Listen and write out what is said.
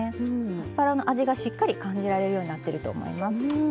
アスパラの味がしっかり感じられるようになってると思います。